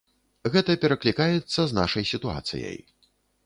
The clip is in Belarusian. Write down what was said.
Гэта пераклікаецца з нашай сітуацыяй.